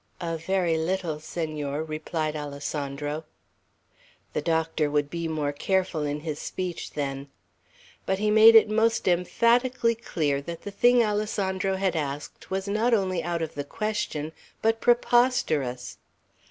"A very little, Senor," replied Alessandro. The doctor would be more careful in his speech, then. But he made it most emphatically clear that the thing Alessandro had asked was not only out of the question, but preposterous.